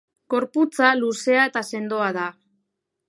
Gorputza luzea eta sendoa da.